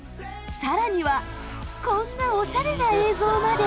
更にはこんなオシャレな映像まで。